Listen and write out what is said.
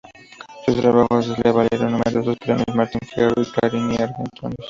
Sus trabajos le valieron numerosos premios Martín Fierro, Clarín y Argentores.